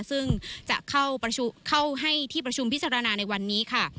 ซึ่งจะเข้าให้ที่ประชุมพิจารณาในวันนี้ค่ะ